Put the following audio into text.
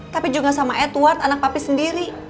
tapi juga sama edward anak papi sendiri